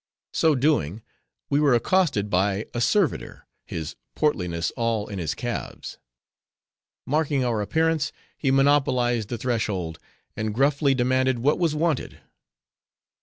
So doing, we were accosted by a servitor, his portliness all in his calves. Marking our appearance, he monopolized the threshold, and gruffly demanded what was wanted.